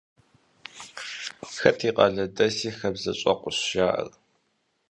«Хэт и къалэдэси хабзэщӏэкъущ» жаӏэр.